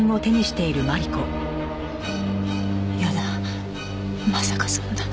やだまさかそんな。